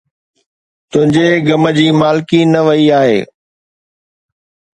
تنھنجي غم جي مالڪي نه وئي آھي